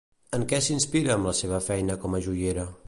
En què s'inspira amb la seva feina com a joiera?